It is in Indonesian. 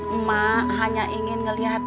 emak hanya ingin ngeliat dede